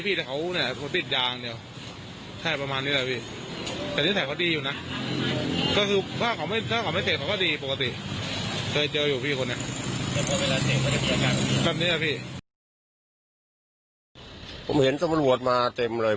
ผมเห็นตำรวจมาเต็มเลย